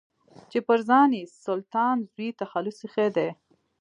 چې پر ځان يې سلطان زوی تخلص ايښی دی.